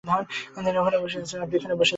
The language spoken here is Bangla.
তিনি ওখানে বসে আছে আপনি এখানে বসে যান।